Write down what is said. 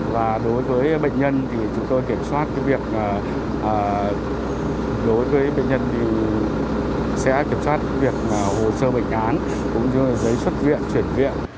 và đối với bệnh nhân thì chúng tôi kiểm soát việc hồ sơ bệnh án cũng như giấy xuất viện chuyển viện